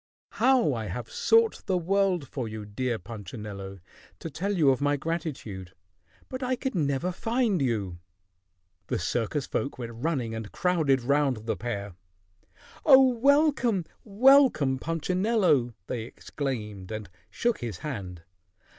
"How I have sought the world for you, dear Punchinello, to tell you of my gratitude; but I could never find you." The circus folk went running and crowded round the pair. "Oh, welcome! Welcome, Punchinello!" they exclaimed and shook his hand.